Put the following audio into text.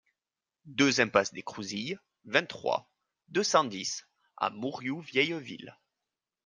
deux impasse des Crouzilles, vingt-trois, deux cent dix à Mourioux-Vieilleville